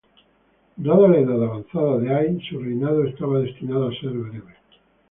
Dada la edad avanzada de Ay, su reinado estaba destinado a ser breve.